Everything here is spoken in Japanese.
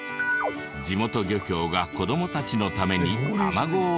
地元漁協が子供たちのためにアマゴを放流。